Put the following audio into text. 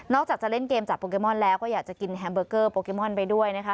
จากจะเล่นเกมจับโปเกมอนแล้วก็อยากจะกินแฮมเบอร์เกอร์โปเกมอนไปด้วยนะคะ